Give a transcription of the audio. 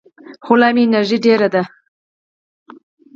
خو لا مې انرژي ډېره ده.